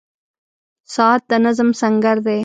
• ساعت د نظم سنګر دی.